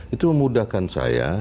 itu memudahkan saya